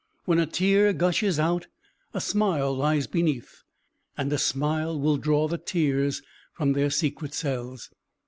When a tear gushes out, a smile lies beneath; and a smile will draw the tears from their secret cells."